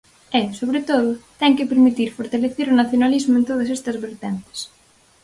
E, sobre todo, ten que permitir fortalecer o nacionalismo en todas estas vertentes.